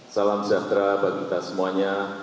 salam sejahtera bagi kita semuanya